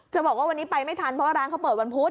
บอกว่าวันนี้ไปไม่ทันเพราะว่าร้านเขาเปิดวันพุธ